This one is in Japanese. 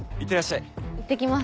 いってきます。